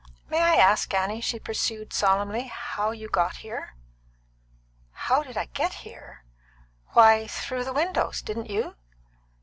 May I ask, Annie," she pursued solemnly, "how you got here?" "How did I get here? Why, through the windows. Didn't you?"